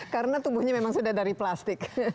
karena tubuhnya memang sudah dari plastik